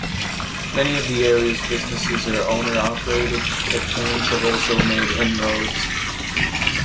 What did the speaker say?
Many of the area's businesses are owner-operated but, chains have also made inroads.